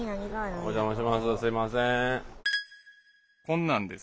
お邪魔します。